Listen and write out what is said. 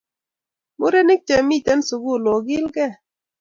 Murenik che miten sukul okilkee